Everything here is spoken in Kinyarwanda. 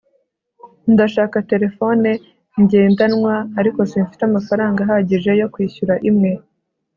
ndashaka terefone ngendanwa, ariko simfite amafaranga ahagije yo kwishyura imwe